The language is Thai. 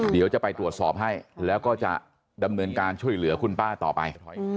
เดี๋ยวจะไปตรวจสอบให้แล้วก็จะดำเนินการช่วยเหลือคุณป้าต่อไป